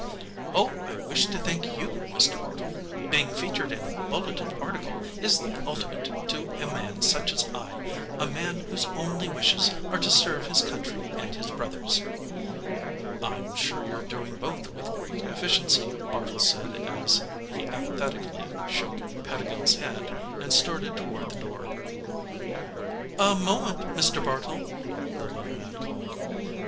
"Oh, I wish to thank you, Mr. Bartle. Being featured in a Bulletin article is the ultimate to a man such as I a man whose only wishes are to serve his country and his brothers." "I'm sure you're doing both with great efficiency," Bartle said as he apathetically shook Pettigill's hand and started toward the door. "A moment, Mr. Bartle " the little man called.